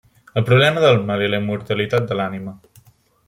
El problema del mal i la immortalitat de l'ànima.